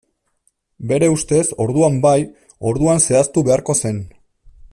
Bere ustez, orduan bai, orduan zehaztu beharko zen.